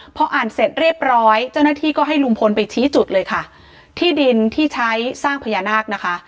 พออ่านเสร็จเรียบร้อยเจ้าหน้าที่ก็ให้ลุงพลไปชี้จุดเลยค่ะที่ดินที่ใช้สร้างพญานาคนะคะ